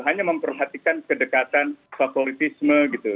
hanya memperhatikan kedekatan favoritisme gitu